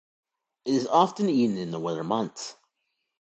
It is often eaten in the winter months.